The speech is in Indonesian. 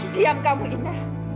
diam kamu ina